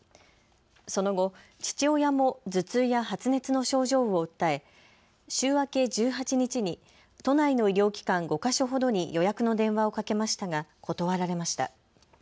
その後、父親も頭痛や発熱の症状を訴え、週明け１８日に都内の医療機関５か所ほどに予約の電話をかけましたが断られました。